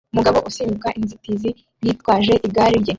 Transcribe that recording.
umugabo asimbuka inzitizi yitwaje igare rye